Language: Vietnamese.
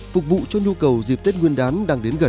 phục vụ cho nhu cầu dịp tết nguyên đán đang đến gần